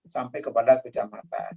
sampai kepada kejamatan